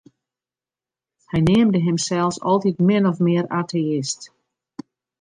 Hy neamde himsels altyd min of mear ateïst.